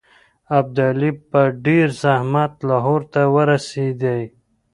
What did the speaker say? ابدالي په ډېر زحمت لاهور ته ورسېدی.